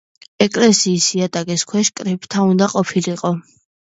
ეკლესიის იატაკის ქვეშ კრიპტა უნდა ყოფილიყო.